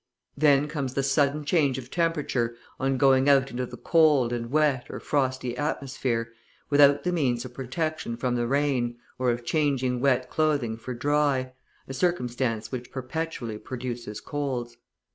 Then comes the sudden change of temperature on going out into the cold and wet or frosty atmosphere, without the means of protection from the rain, or of changing wet clothing for dry, a circumstance which perpetually produces colds.